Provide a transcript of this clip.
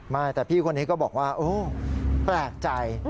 ไม่แต่พี่คนนี้ก็บอกว่าโอ้แปลกใจ